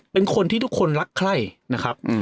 เป็นคนที่ทุกคนรักใครนะครับ